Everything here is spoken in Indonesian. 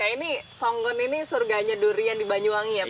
kayaknya ini songgon ini surganya durian di banyu angi ya pak